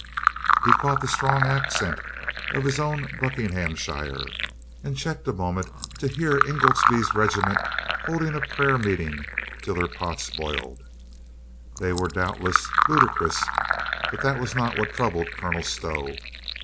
He caught the strong accent of his own Buckinghamshire, and checked a moment to i8o COLONEL GREATHEART hear Ingoldsby's regiment holding a prayer meet ing till their pots boiled. They were doubtless ludi crous, but that was not what troubled Colonel Stow.